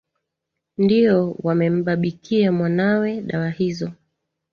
ndio wamembabikia mwanawe dawa hizo